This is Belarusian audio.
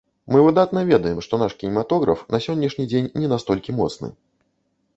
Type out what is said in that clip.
Мы выдатна ведаем, што наш кінематограф на сённяшні дзень не настолькі моцны.